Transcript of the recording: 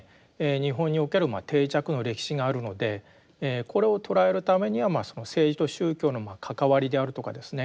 日本における定着の歴史があるのでこれを捉えるためには政治と宗教の関わりであるとかですね